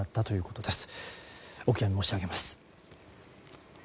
お悔やみ申し上げます。